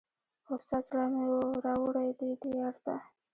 هوسا زړه مي وو را وړﺉ دې دیار ته